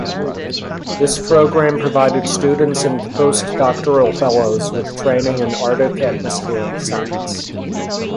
This program provided students and postdoctoral fellows with training in Arctic atmospheric science.